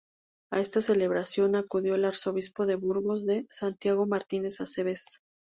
A esta celebración acudió el Arzobispo de Burgos D. Santiago Martínez Acebes.